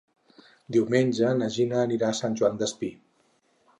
Diumenge na Gina anirà a Sant Joan Despí.